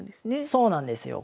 そうなんですよ。